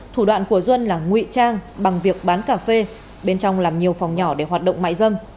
thủ đoạn của duân là nguy trang bằng việc bán cà phê bên trong làm nhiều phòng nhỏ để hoạt động mại dâm